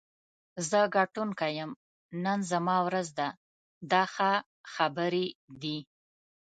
زه ګټونکی یم، نن زما ورځ ده دا ښه خبرې دي.